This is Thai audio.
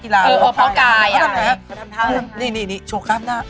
คุณอุ้มกัณยพรรคซิลี่พรรคค่า